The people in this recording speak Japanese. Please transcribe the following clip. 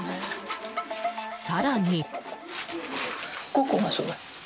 更に。